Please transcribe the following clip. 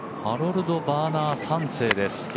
ハロルド・バーナー３世です。